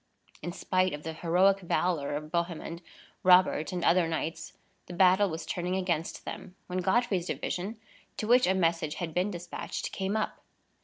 In spite of the heroic valor of Bohemond, Robert, and other knights, the battle was turning against them, when Godfrey's division, to which a message had been despatched, came up.